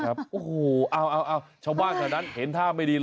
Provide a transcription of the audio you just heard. อ้าวเช้าบ้านขนาดนั้นเห็นท่าไม่ดี